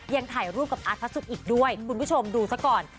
ยังถ่ายรูปกับอาร์ตพระสุกอีกด้วยคุณผู้ชมดูซะก่อน